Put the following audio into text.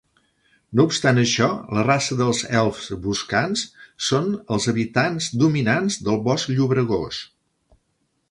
No obstant això, la raça dels elfs boscans són els habitants dominants del Bosc Llobregós.